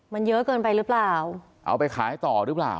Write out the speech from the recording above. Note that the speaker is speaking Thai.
มันเยอะเกินไปหรือเปล่าเอาไปขายต่อหรือเปล่า